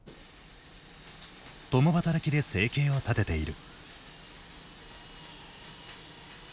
共働きで生計を立てている。